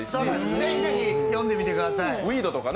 ぜひぜひ、読んでみてください。